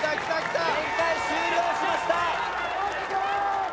旋回終了しました。